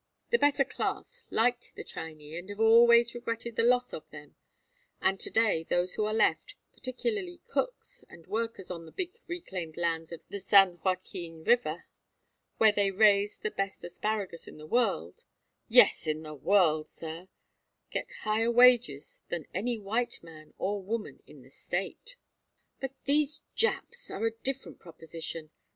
The better class liked the Chinee and have always regretted the loss of them; and to day those who are left, particularly cooks and workers on those big reclaimed islands of the San Joaquin River, where they raise the best asparagus in the world yes, in the world, sir get higher wages than any white man or woman in the State. "But these Japs are a different proposition.